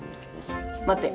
待て。